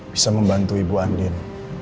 bisa membantu ibu andin